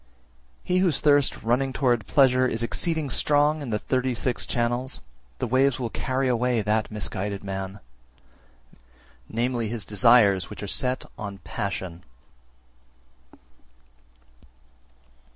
339. He whose thirst running towards pleasure is exceeding strong in the thirty six channels, the waves will carry away that misguided man, viz. his desires which are set on passion.